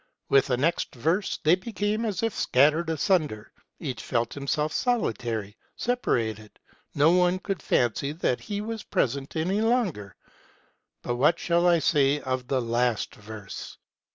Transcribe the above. With the next verse they became as if scattered asunder : each felt himself solitary, separated, no one could fancy that he was present any longer. But what shall I say of the last verse?